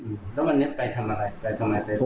แล้ววันนี้ไปทำอะไร